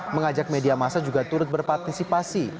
mengajak media masa juga turut berpartisipasi